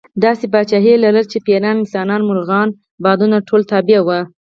داسې پاچاهي یې لرله چې پېریان، انسانان، مرغان او بادونه ټول تابع وو.